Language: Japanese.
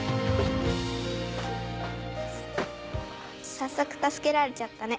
早速助けられちゃったね